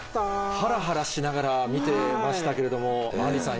ハラハラしながら見てましたけれどもあんりさん